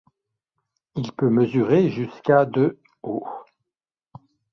Il peut mesurer jusqu'à de haut.